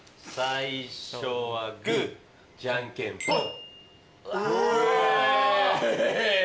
最初はグーじゃんけんぽい。